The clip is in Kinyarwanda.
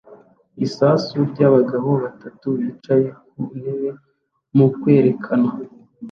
Isasu ryabagabo batatu bicaye ku ntebe mukwerekana